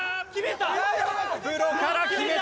プロから決めた！